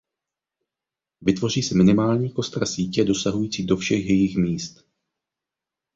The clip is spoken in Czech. Vytvoří se minimální kostra sítě dosahující do všech jejích míst.